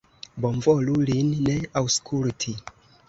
Bonvolu lin ne aŭskulti!